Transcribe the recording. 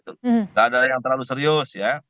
tidak ada yang terlalu serius ya